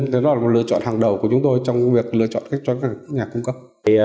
đó là một lựa chọn hàng đầu của chúng tôi trong việc lựa chọn các doanh nghiệp nhà cung cấp